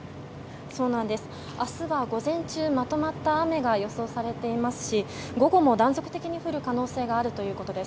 明日は午前中、まとまった雨が予想されていますし午後も断続的に降る可能性があるということです。